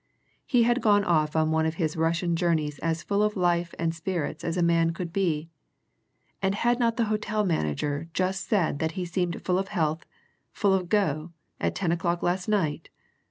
He had gone off on one of his Russian journeys as full of life and spirits as a man could be and had not the hotel manager just said that he seemed full of health, full of go, at ten o'clock last night?